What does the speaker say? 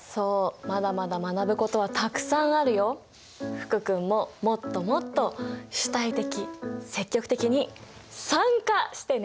福君ももっともっと主体的積極的に参加してね！